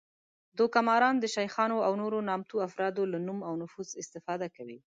دوکه ماران د شیخانو او نورو نامتو افرادو له نوم او نفوذ استفاده کوي